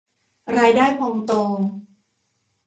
รายได้พองโต